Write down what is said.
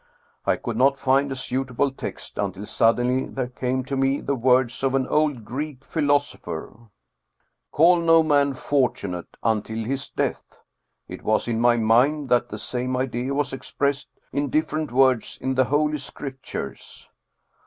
I could not find a suit able text, until suddenly there came to me the words of an old Greek philosopher, ' Call no man fortunate until his death/ It was in my mind that the same idea was ex pressed in different words in the Holy Scriptures.